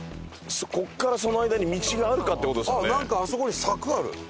ここからその間に道があるかって事ですよね。